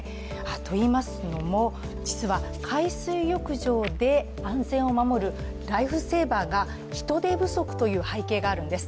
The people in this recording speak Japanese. といいますのも、実は海水浴場で安全を守るライフセーバーが人手不足という背景があるんです。